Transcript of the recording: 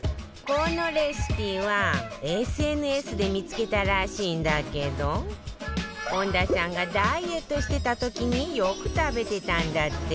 このレシピは ＳＮＳ で見付けたらしいんだけど本田さんがダイエットしてた時によく食べてたんだって